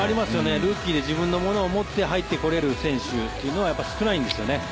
ルーキーで自分のものを持って入ってこれる選手は少ないんですよね。